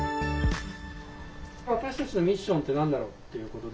私たちのミッションって何だろうということで。